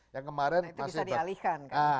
yang kemarin masih ber nah itu bisa dialihkan